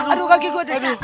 aduh kaki gue aduh